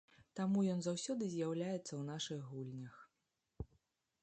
Таму ён заўсёды з'яўляецца ў нашых гульнях.